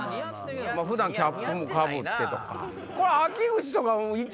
普段キャップかぶってとか。